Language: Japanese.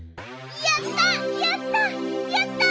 やった！